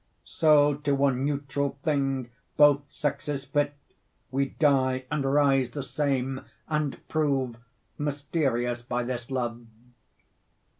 So to one neutrall thing both sexes fit, 25 Wee dye and rise the same, and prove Mysterious by this love.